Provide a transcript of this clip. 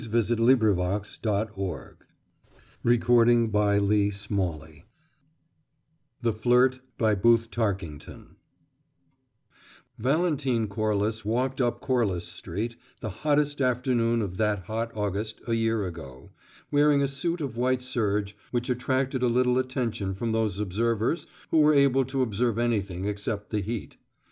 0 THE FLIRT BY BOOTH TARKINGTON To SUSANAH THE FLIRT CHAPTER ONE Valentine Corliss walked up Corliss Street the hottest afternoon of that hot August, a year ago, wearing a suit of white serge which attracted a little attention from those observers who were able to observe anything except the heat.